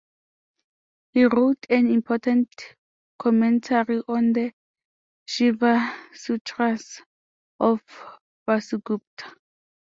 He wrote an important commentary on the Shiva Sutras of Vasugupta.